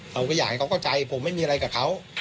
เขาก็อยากให้เขาเข้าใจผมไม่มีอะไรกับเขา